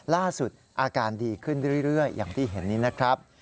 ล่าสุดอาการดีขึ้นเรื่อยอย่างที่เห็นนี้นะครับ